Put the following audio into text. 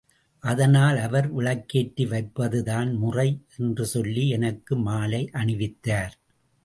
அதனால் அவர் விளக்கேற்றி வைப்பதுதான் முறை, என்று சொல்லி எனக்கு மாலை அணிவித்தார்.